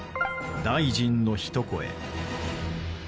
大臣のひと声。